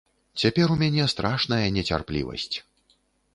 Цяпер у мяне страшная нецярплівасць.